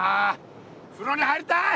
風呂に入りたい！